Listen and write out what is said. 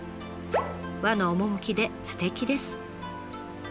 和の趣ですてきです。